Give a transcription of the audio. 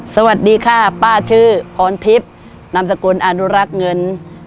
สวัสดีค่ะป้าชื่อพรทิพย์นามสกุลอนุรักษ์เงิน